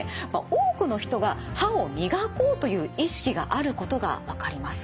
多くの人が歯を磨こうという意識があることが分かります。